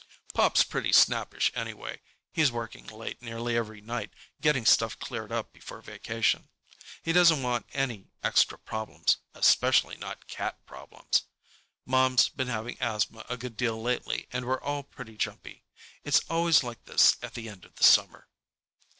Pop's pretty snappish anyway. He's working late nearly every night, getting stuff cleared up before vacation. He doesn't want any extra problems, especially not Cat problems. Mom's been having asthma a good deal lately, and we're all pretty jumpy. It's always like this at the end of the summer.